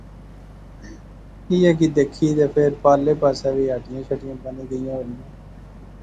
ایہہ کی دیکھی تہ فیر پارلے پاسے وی ہٹیاں شٹیاں بنی گئیاں ہولیاں